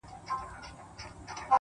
موږه كرلي دي اشنا دشاعر پښو ته زړونه _